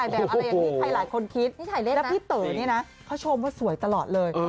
แบบอะไรอย่างที่ใครหลายคนคิดแล้วพี่เต๋อนี่นะเขาชมว่าสวยตลอดเลย